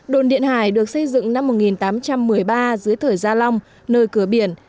đồn điện hải được xây dựng năm một nghìn tám trăm một mươi ba dưới thời gia long nơi cửa biển